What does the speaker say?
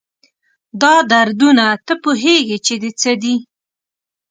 دا دردونه، تۀ پوهېږي چې د څه دي؟